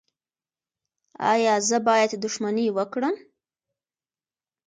ایا زه باید دښمني وکړم؟